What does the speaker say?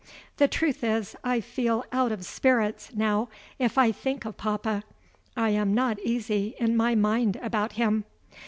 "The truth is, I feel out of spirits now if I think of papa; I am not easy in my mind about him.